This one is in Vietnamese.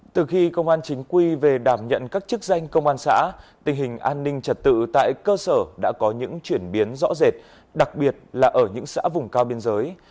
từ khi công an chính quy về đảm nhận các chức danh công an xã tình hình an ninh trật tự tại cơ sở đã có những chuyển biến rõ rệt đặc biệt là ở những xã vùng cao biên giới